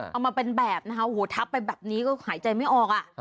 เอามาเป็นแบบทับไปแบบนี้ก็หายใจไม่ออก